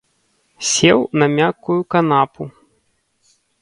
Сеў на мяккую канапу.